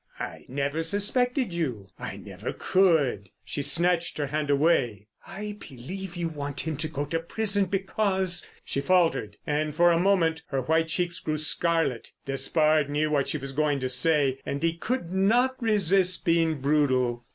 "I never suspected you. I never could!" She snatched her hand away. "I believe you want him to go to prison because——" She faltered, and for a moment her white cheeks grew scarlet. Despard knew what she was going to say, and he could not resist being brutal.